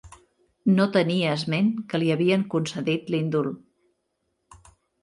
No tenia esment que li havien concedit l'indult.